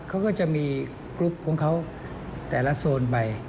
เขาก็จะมีกรุ๊ปของเขาแต่ละโซนไป